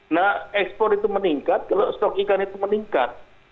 nah ekspor itu meningkat kalau stok ikan itu meningkat